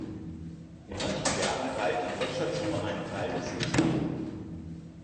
In manchen Jahren teilt die Gletscherzunge einen Teil des Sees ab.